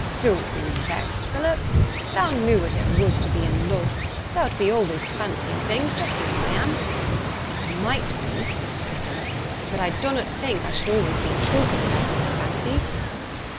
'Don't be vexed, Philip; if thou knew what it was to be in love, thou'd be always fancying things, just as I am.' 'I might be,' said Philip; 'but I dunnut think I should be always talking about my fancies.'